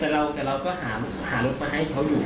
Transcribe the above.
แต่เราก็หารถมาให้เขาอยู่